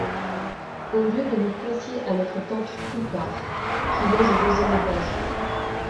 Au lieu de nous confier à notre tante TOUPART. qui loge au deuxième étage !